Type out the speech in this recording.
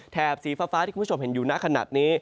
สีฟ้าที่คุณผู้ชมเห็นอยู่นะขนาดนี้